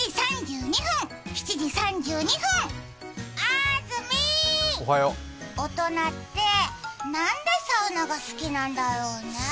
あずみ、大人って、なんでサウナが好きなんだろうね。